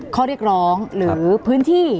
ข้อเรียกร้องหรือพื้นที่